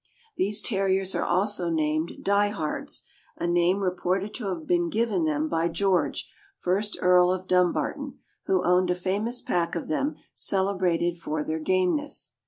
These Terriers are also named Die hards, a name re ported to have been given them by George, first Earl of Dumbarton, who owned a famous pack of them celebrated for their gameness.